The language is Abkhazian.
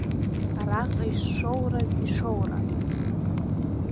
Араҟа ишшоураз ишоуран.